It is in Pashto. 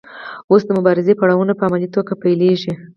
اوس د مبارزې پړاوونه په عملي توګه پیلیږي.